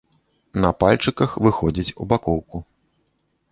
На пальчыках выходзіць у бакоўку.